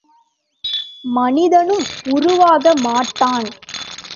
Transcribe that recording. மனிதனும் உருவாக மாட்டான்!